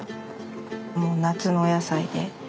もう夏のお野菜で。